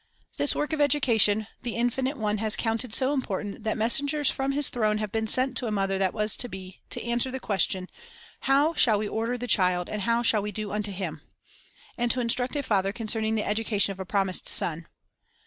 This work of education the Infinite One has counted so important that messengers from His throne have been sent to a mother that was to be, to answer the question, "How shall we order the child, and how shall we do unto him?" 1 and to instruct a father concerning the education of a promised son.